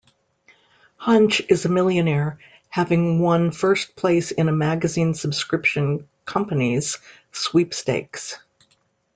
Hunch is a millionaire, having won first place in a magazine subscription company's sweepstakes.